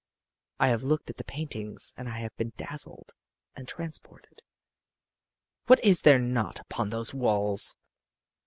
"I have looked at the paintings and I have been dazzled and transported. What is there not upon those walls!